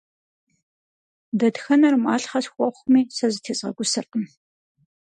Дэтхэнэр малъхъэ схуэхъуми, сэ зытезгъэгусэркъым.